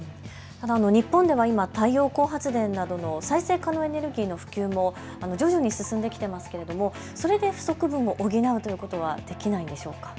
日本では今、太陽光発電などの再生可能エネルギーの普及も徐々に進んできてますけれどそれで不足分を補うということはできないんでしょうか。